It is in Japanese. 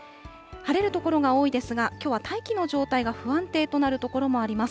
晴れる所が多いですが、きょうは大気の状態が不安定となる所もあります。